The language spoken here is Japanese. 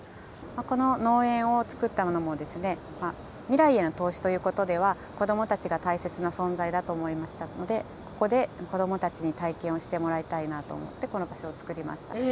この農園を作ったのも、未来への投資ということでは、子どもたちが大切な存在だと思いましたので、ここで子どもたちに体験をしてもらいたいなと思って、この場所を作りました。